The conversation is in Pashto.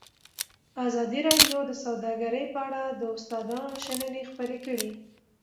ازادي راډیو د سوداګري په اړه د استادانو شننې خپرې کړي.